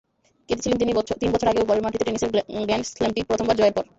কেঁদেছিলেন তিন বছর আগেও, ঘরের মাটিতে টেনিসের গ্র্যান্ড স্লামটি প্রথমবার জয়ের পর।